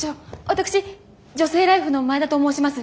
私「女性ＬＩＦＥ」の前田と申します。